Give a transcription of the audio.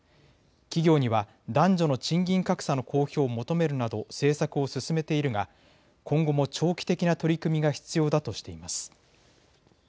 企業には男女の賃金格差の公表を求めるなど政策を進めているが今後も長期的な取り組みが必要だとしています。